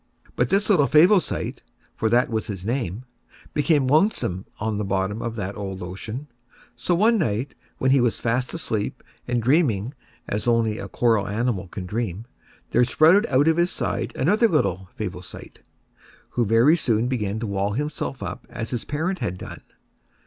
But this little Favosite, for that was his name, became lonesome on the bottom of that old ocean; so one night, when he was fast asleep and dreaming as only a coral animal can dream, there sprouted out of his side another little Favosite, who very soon began to wall himself up as his parent had done.